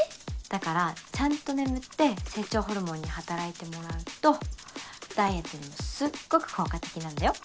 だからちゃんと眠って成長ホルモンに働いてもらうとダイエットにもすっごく効果的なんだよ